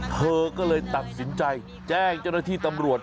เธอก็เลยตัดสินใจแจ้งเจ้าหน้าที่ตำรวจ